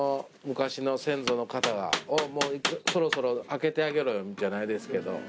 昔の先祖の方がそろそろ開けてあげろよじゃないですけど。